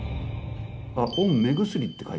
あっ「御目薬」って書いてある。